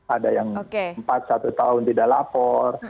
ada yang empat satu tahun tidak lapor